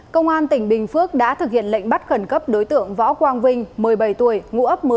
công an tỉnh bình phước đã thực hiện lệnh bắt khẩn cấp đối tượng võ quang vinh một mươi bảy tuổi ngụ ấp một mươi